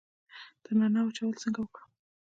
د نعناع وچول څنګه وکړم؟